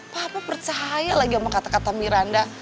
papa percaya lagi sama kata kata miranda